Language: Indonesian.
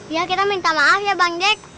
iya kita minta maaf ya bang jek